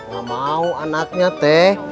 gak mau anaknya teh